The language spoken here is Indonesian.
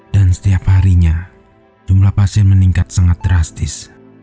dan setiap harinya jumlah pasien meningkat sangat drastis